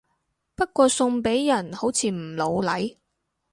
不過送俾人好似唔老嚟